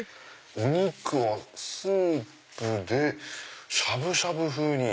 「お肉はスープでしゃぶしゃぶ風に」。